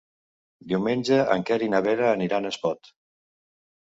Diumenge en Quer i na Vera aniran a Espot.